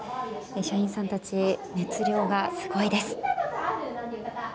社員さんたち熱量がすごいです。